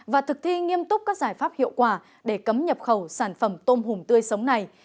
và thực thi nghiêm túc các giải pháp hiệu quả để cấm nhập khẩu sản phẩm tôm hùm tươi sống này